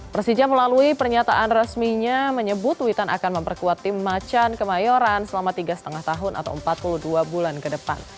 persija melalui pernyataan resminya menyebut witan akan memperkuat tim macan kemayoran selama tiga lima tahun atau empat puluh dua bulan ke depan